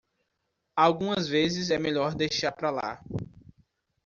Algumas vezes é melhor deixar pra lá.